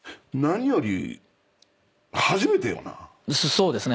そうですね。